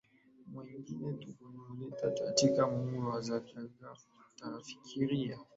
wengine kujitolea katika huduma za Kanisa kwani hawalazimiki kufikiria